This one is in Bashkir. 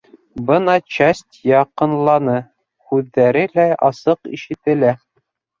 Бына часть яҡынланы, һүҙҙәре лә асыҡ ишетелә.